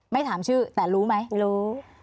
ถามชื่อแต่รู้ไหมรู้